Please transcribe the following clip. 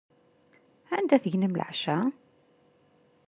Anda tegnem leɛca?